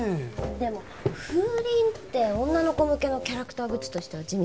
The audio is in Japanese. でも風鈴って女の子向けのキャラクターグッズとしては地味すぎません？